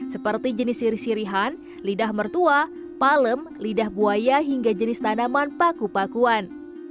seperti jenis siri sirihan lidah mertua palem lidah buaya hingga jenis tanaman paku pakuan